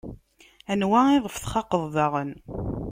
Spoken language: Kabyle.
Anwa iɣef txaqeḍ daɣen?